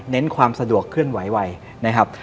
เน้นความสะดวกเคลื่อนไหวนะครับ